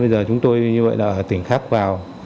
bây giờ chúng tôi như vậy là tỉnh khác vào